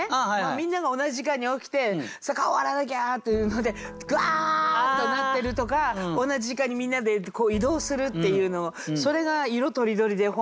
みんなが同じ時間に起きて顔洗わなきゃっていうのでぐわっとなってるとか同じ時間にみんなで移動するっていうのそれが色とりどりで本当に。